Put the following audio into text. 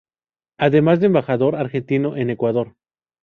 Además, fue Embajador argentino en Ecuador.